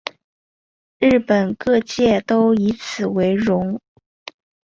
日本各界都以此为荣。